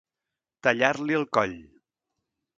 Tallar-li el coll.